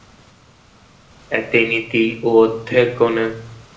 এতে নীতি ও অধ্যাত্মজ্ঞানের কথা বর্ণিত হয়েছে।